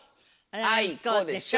あいこでしょ。